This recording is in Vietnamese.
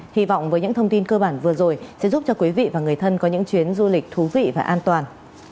hy vọng với những thông tin cơ bản vừa rồi sẽ giúp cho quý vị và người thân có những chuyến du lịch thú vị và an toàn